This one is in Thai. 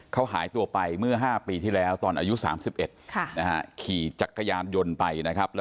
เขาหายตัวไปเมื่อ๕ปีที่แล้วตอนอายุ๓๑ขี่จักรยานยนต์ไปนะครับ